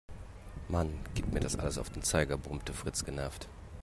Mann, geht mir das alles auf den Zeiger, brummte Fritz genervt.